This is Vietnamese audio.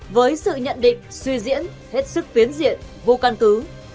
với sự nhận định suy diễn hết sức tuyến diện vô căn cứ